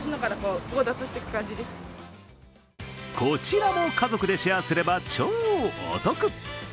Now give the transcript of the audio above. こちらも家族でシェアすれば超お得！